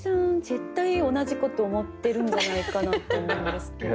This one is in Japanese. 絶対同じこと思ってるんじゃないかなって思うんですけど。